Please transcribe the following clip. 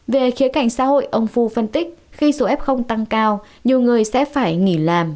về khía cảnh xã hội ông fu phân tích khi số f tăng cao nhiều người sẽ phải nghỉ làm